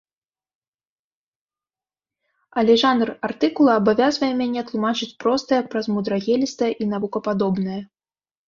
Але жанр артыкула абавязвае мяне тлумачыць простае праз мудрагелістае і навукападобнае.